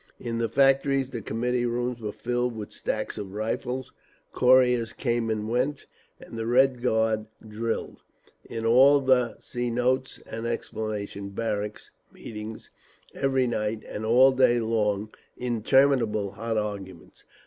In the factories the committee rooms were filled with stacks of rifles, couriers came and went, the Red Guard drilled…. In all the barracks meetings every night, and all day long interminable hot arguments.